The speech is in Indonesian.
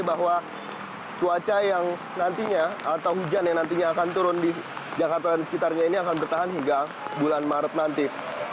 bahwa cuaca yang nantinya atau hujan yang nantinya akan turun di jakarta dan sekitarnya ini akan bertahan hingga bulan maret nanti